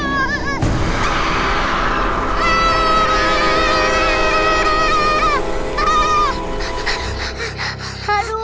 jangan cepat dong